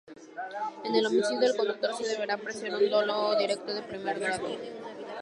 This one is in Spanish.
En el homicidio del conductor se deberá apreciar un dolo directo de primer grado.